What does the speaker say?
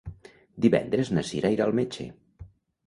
Divendres na Cira irà al metge.